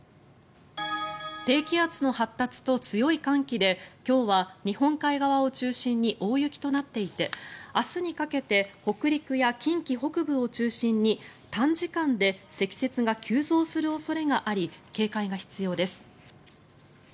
低気圧の発達と強い寒気で今日は日本海側を中心に大雪となっていて、明日にかけて北陸や近畿北部を中心に短時間で積雪が急増する恐れがあり警戒が必要です。